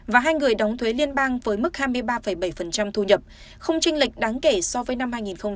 và hai người đóng thuế liên bang với mức hai mươi ba bảy thu nhập không tranh lệch đáng kể so với năm hai nghìn một mươi